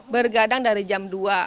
bergadang dari jam dua